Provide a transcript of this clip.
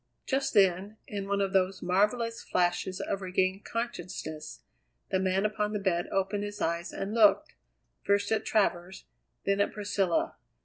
Just then, in one of those marvellous flashes of regained consciousness, the man upon the bed opened his eyes and looked, first at Travers, then at Priscilla.